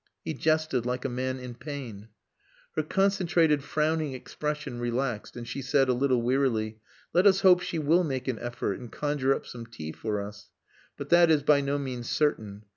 he jested like a man in pain. Her concentrated frowning expression relaxed, and she said, a little wearily, "Let us hope she will make an effort and conjure up some tea for us. But that is by no means certain.